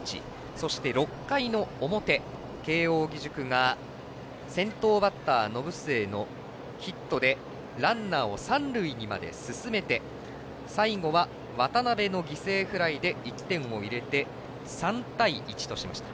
そして、６回の表、慶応義塾が先頭バッター、延末のヒットでランナーを三塁にまで進めて最後は渡邉の犠牲フライで１点を入れて３対１としました。